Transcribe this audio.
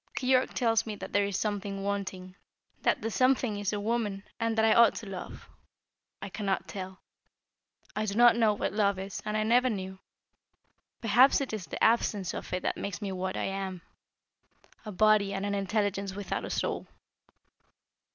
Keyork tells me that there is something wanting, that the something is woman, and that I ought to love. I cannot tell. I do not know what love is, and I never knew. Perhaps it is the absence of it that makes me what I am a body and an intelligence without a soul.